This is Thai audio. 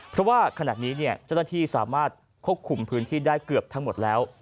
เพราะว่าขณะนี้เจ้าหน้าที่สามารถควบคุมพื้นที่ได้เกือบทั้งหมดแล้ว